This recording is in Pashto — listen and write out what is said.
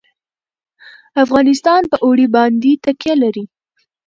افغانستان په اوړي باندې تکیه لري.